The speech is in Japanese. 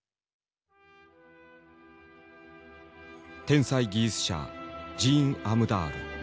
天才技術者ジーン・アムダール。